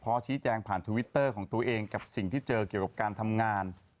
ชี้แจงผ่านทวิตเตอร์ของตัวเองกับสิ่งที่เจอเกี่ยวกับการทำงาน